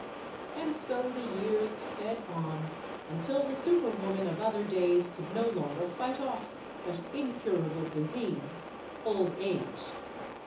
And so the years sped on, until the super woman of other days could no longer fight off that Incurable disease, old age.